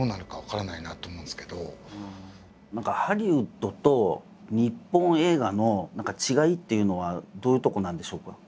何かハリウッドと日本映画の違いっていうのはどういうとこなんでしょうか？